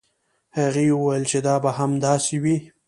هغې وویل چې دا به هم داسې وي.